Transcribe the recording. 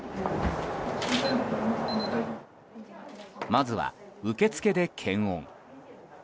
まずは、受け付けで検温。